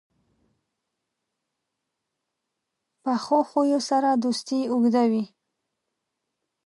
پخو خویو سره دوستي اوږده وي